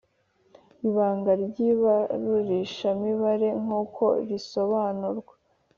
Ibanga ry ibarurishamibare nk uko risobanurwa